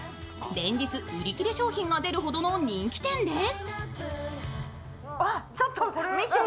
連日売り切れ商品が出るほどの人気店です。